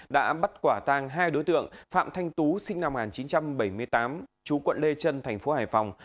đã bắt quả tang hai đối tượng phạm thanh tú sinh năm một nghìn chín trăm bảy mươi tám chú quận lê trân thành phố hải phòng